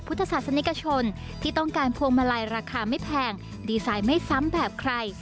พุทธศาสนิกชนที่ต้องการพวงมาลัยราคาไม่แพงดีไซน์ไม่ซ้ำแบบใคร